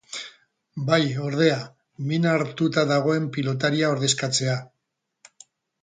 Bai, ordea, min hartuta dagoen pilotaria ordezkatzea.